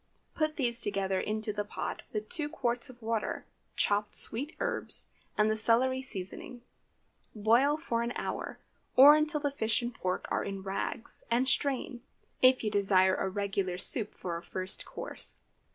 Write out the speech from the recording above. Put these together into the pot, with two quarts of water, chopped sweet herbs, and the celery seasoning. Boil for an hour, or until fish and pork are in rags, and strain, if you desire a regular soup for a first course.